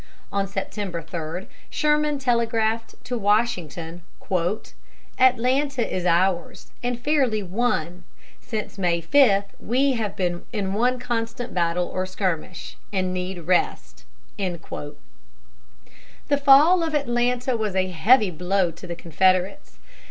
On September 3, Sherman telegraphed to Washington: "Atlanta is ours, and fairly won.... Since May 5 we have been in one constant battle or skirmish, and need rest." The fall of Atlanta was a heavy blow to the Confederates.